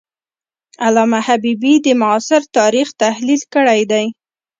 علامه حبیبي د معاصر تاریخ تحلیل کړی دی.